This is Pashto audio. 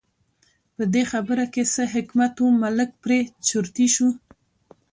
په دې خبره کې څه حکمت و، ملک پرې چرتي شو.